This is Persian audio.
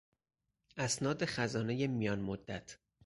اسناد خزانهی میان مدت